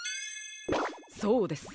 そうです。